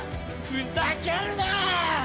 ふざけるな！